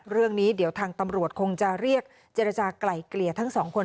เรื่องนี้เดี๋ยวทางตำรวจคงจะเรียกเจรจากลายเกลี่ยทั้งสองคน